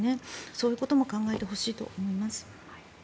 そういうことも考えてほしいと思います。